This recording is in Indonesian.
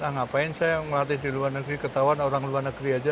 ah ngapain saya ngelatih di luar negeri ketahuan orang luar negeri aja